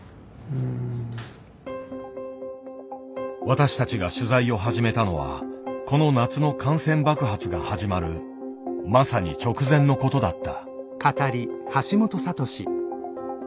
私たちが取材を始めたのはこの夏の感染爆発が始まるまさに直前のことだった。